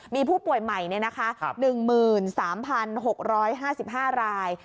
มีผู้ป่วยใหม่เนี่ยนะคะ๑๓๖๕๕ราย